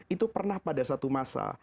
itu pernah pada satu masa